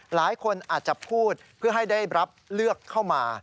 หลายคนอาจจะพูดเพื่อให้ได้รับเลือกเข้ามา